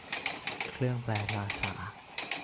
เครื่องแปลภาษา